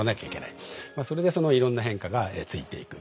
まあそれでそのいろんな変化がついていく。